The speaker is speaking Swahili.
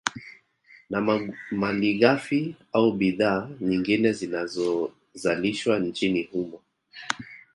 Na malighafi au bidhaa nyingine zinazozalishwa nchini humo